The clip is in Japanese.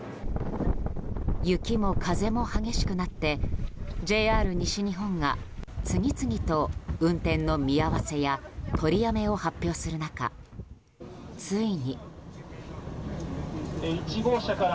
雪も風も激しくなってＪＲ西日本が次々と運転見合わせや取りやめを発表する中、ついに。